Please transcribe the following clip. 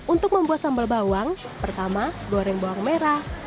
untuk membuat sambal bawang pertama goreng bawang merah